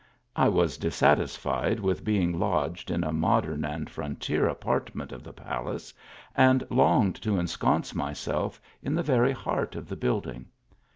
I was dissatisfied with being lodged in a modern and frontier apartment of the palace, and longed to ensconce myself in the very heart of the building.